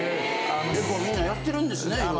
結構みんなやってるんですねいろいろ。